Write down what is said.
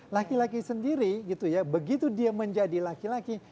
laki laki sendiri begitu dia menjadi laki laki